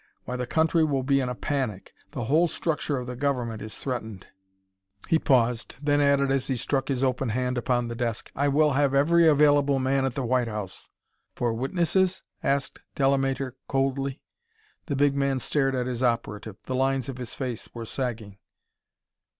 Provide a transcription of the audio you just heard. Why the country will be in a panic: the whole structure of the Government is threatened!" He paused, then added as he struck his open hand upon the desk: "I will have every available man at the White House." "For witnesses?" asked Delamater coldly. The big man stared at his operative; the lines of his face were sagging.